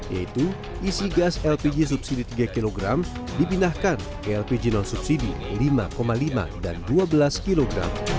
yaitu isi gas lpg subsidi tiga kg dipindahkan ke lpg non subsidi lima lima dan dua belas kg